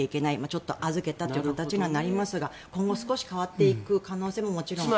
ちょっと預けたという形にはなりますが今後、少し変わっていく可能性ももちろんあります。